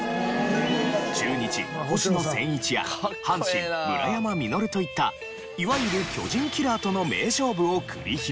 中日星野仙一や阪神村山実といったいわゆる巨人キラーとの名勝負を繰り広げ。